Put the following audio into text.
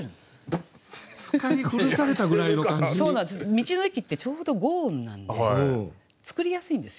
「道の駅」ってちょうど５音なんで作りやすいんですよ。